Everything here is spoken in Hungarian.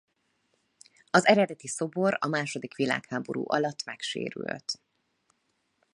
Az eredeti szobor a második világháború alatt megsérült.